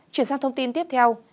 chuyển sang thông tin tiếp theo